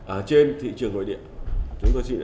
ở trên thị trường nội địa